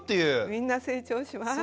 みんな成長します。